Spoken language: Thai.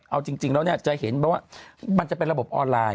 เอาจริงแล้วเนี่ยจะเห็นว่ามันจะเป็นระบบออนไลน์